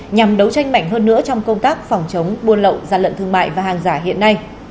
nhằm đấu tranh mạnh hơn nữa trong công tác phòng chống buôn lậu gian lận thương mại và hàng giả hiện nay